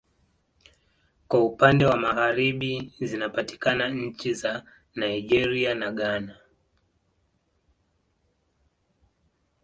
Kwa upande wa Magharibi zinapatikana nchi za Nigeria na Ghana